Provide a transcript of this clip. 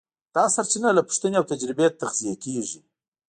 دا سرچینه له پوښتنې او تجربې تغذیه کېږي.